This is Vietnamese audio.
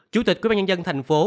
chủ tịch quyên bà nhân dân thành phố